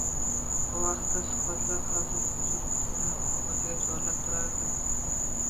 Bu vaqtdagi suhbatlar, hazil-huzul bizni o‘ziga chorlab turardi.